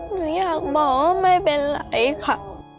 หนูอยากบอกว่าไม่เป็นไรค่ะ